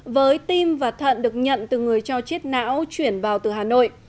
với tim và thận được nhận từ người cho chết não chuyển vào từ hà nội